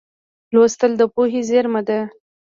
لوستل د پوهې زېرمه ده.